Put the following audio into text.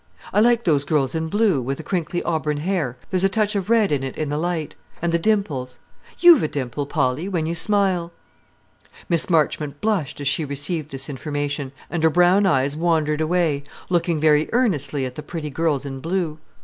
I like those girls in blue, with the crinkly auburn hair, there's a touch of red in it in the light, and the dimples. You've a dimple, Polly, when you smile." Miss Marchmont blushed as she received this information, and her brown eyes wandered away, looking very earnestly at the pretty girls in blue.